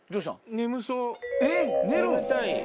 眠たい？